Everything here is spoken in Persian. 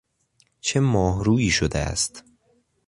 چه ماهرویی شده است!